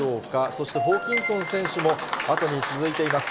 そして、ホーキンソン選手も後に続いています。